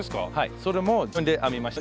それも自分で編みました。